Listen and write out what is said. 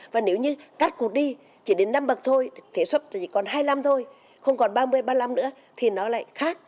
và nếu như cắt cụt đi chỉ đến năm bậc thôi thế xuất thì chỉ còn hai mươi năm thôi không còn ba mươi ba mươi năm nữa thì nó lại khác